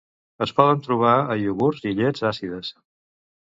Es poden trobar a iogurts i llets àcides.